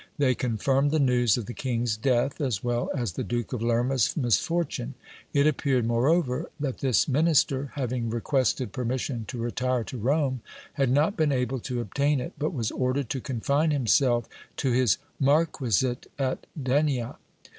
They confirmed the news of the king's death, as well as the Duke of Lerma's misfortune. It appeared, moreover, that this minister, having requested per mission to retire to Rome, had not been able to obtain it, but was ordered to confine himself to his marquisate at Denia.